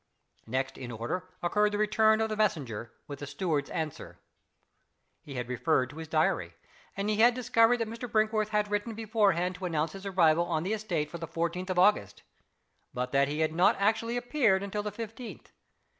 Next in order occurred the return of the messenger with the steward's answer. He had referred to his Diary; and he had discovered that Mr. Brinkworth had written beforehand to announce his arrival at his estate for the fourteenth of August but that he had not actually appeared until the fifteenth.